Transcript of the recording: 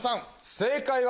正解は。